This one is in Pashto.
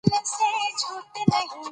چې که د هر جنس لپاره وکارېږي